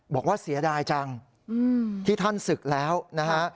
บอกว่าเสียดายจังที่ท่านศึกแล้วนะฮะ